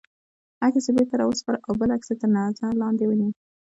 عکس یې بېرته را و سپاره او بل عکس یې تر نظر لاندې ونیوه.